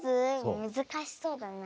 むずかしそうだなあ。